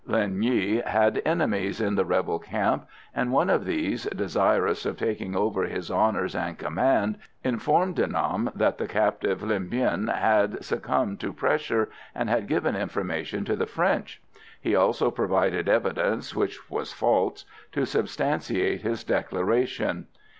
Linh Nghi had enemies in the rebel camp, and one of these, desirous of taking over his honours and command, informed De Nam that the captive linh binh had succumbed to pressure, and had given information to the French. He also provided evidence, which was false, to substantiate his declaration.